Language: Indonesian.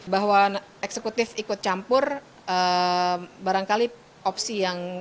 bahwa eksekutif ikut campur barangkali opsi yang